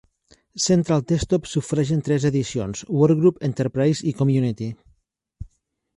Central Desktop s'ofereix en tres edicions: Workgroup, Enterprise i Community.